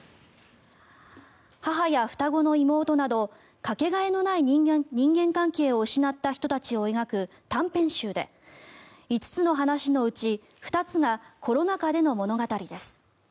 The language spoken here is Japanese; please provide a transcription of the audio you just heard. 母や双子の妹などかけがえのない人間関係を失った人たちを描く短編集で５つの話のうち２つがコロナ禍での物語です。